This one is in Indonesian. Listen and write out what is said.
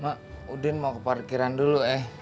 mak udin mau ke parkiran dulu eh